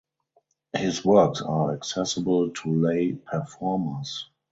His works are accessible to lay performers.